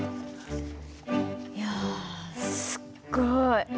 いやすっごい。